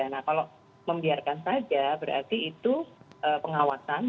nah kalau membiarkan saja berarti itu pengawasan